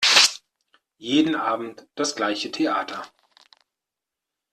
Jeden Abend das gleiche Theater!